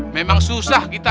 memang susah kita